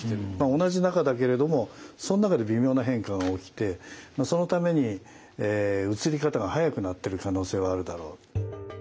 同じ中だけれどもその中で微妙な変化が起きてそのために移り方が速くなってる可能性はあるだろう。